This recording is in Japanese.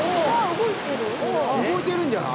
動いてるんじゃない？